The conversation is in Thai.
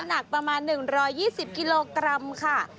หนักประมาณ๑๒๐กิโลกรัมค่ะ